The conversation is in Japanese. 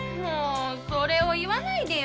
それを言わないでよ。